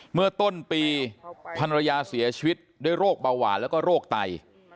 เมื่อต้นปีภรรยาเสียชีวิตด้วยโรคเบาหวานแล้วก็โรคไต